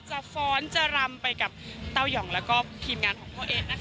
ฟ้อนจะรำไปกับเต้ายองแล้วก็ทีมงานของพ่อเอ๊ะนะคะ